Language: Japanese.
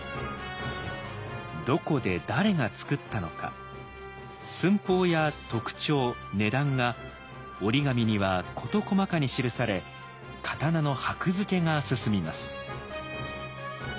どこで誰が作ったのか寸法や特徴値段が折紙には事細かに記され刀の箔付けが進みます。